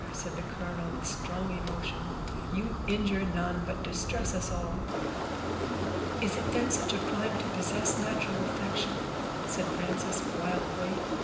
said the colonel, with strong emotion; "you injure none, but distress us all." "Is it then such a crime to possess natural affection?" said Frances wildly.